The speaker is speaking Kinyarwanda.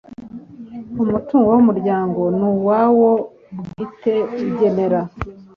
umutungo w umuryango ni uwawo bwite ugenera